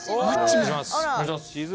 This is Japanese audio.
お願いします。